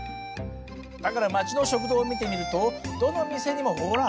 だから町の食堂を見てみるとどの店にもほら。